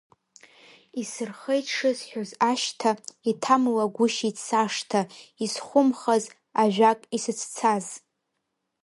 Исырхеит шысҳәоз ашьҭа, Иҭамлагәышьеит сашҭа, Исхәымхаз ажәак, исыцәцаз…